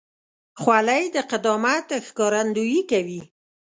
خولۍ د قدامت ښکارندویي کوي.